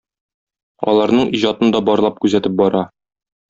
Аларның иҗатын да барлап күзәтеп бара.